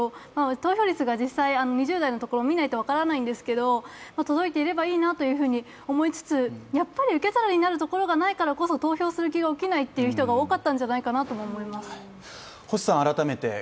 投票率が実際、２０代のところを見ないと分からないんですけど届いていればいいなと思いつつ、やっぱり、受け皿になるところがないからこそ投票する気にならないという人が多かったんじゃないかなとも思います。